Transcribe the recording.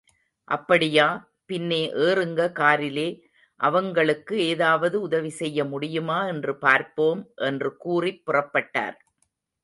அப்படியா, பின்னே ஏறுங்க காரிலே, அவங்களுக்கு ஏதாவது உதவி செய்ய முடியுமா என்று பார்ப்போம், என்று கூறிப் புறப்பட்டார்.